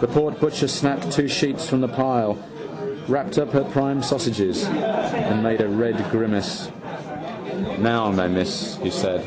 The porkbutcher snapped two sheets from the pile, wrapped up her prime sausages and made a red grimace. —Now, my miss, he said.